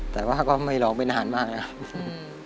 แล้วก็ไม่รอไปนานมากนะครับ